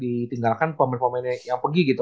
ditinggalkan pemain pemain yang pergi gitu